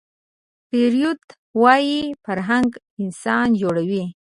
فروید وايي فرهنګ انسان جوړوي